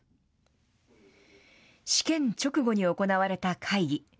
試験直後に行われた会議。